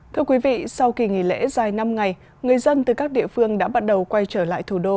thưa quý vị sau kỳ nghỉ lễ dài năm ngày người dân từ các địa phương đã bắt đầu quay trở lại thủ đô